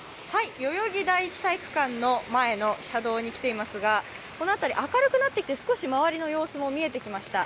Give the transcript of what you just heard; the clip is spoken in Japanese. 代々木第１体育館の前の車道に来ていますがこの辺り、明るくなってきて少し周りの様子も見えてきました。